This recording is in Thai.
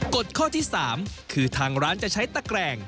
กฎข้อที่๓คือทางร้านจะใช้ตะแกรง